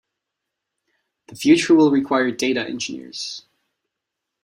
The future will require data engineers.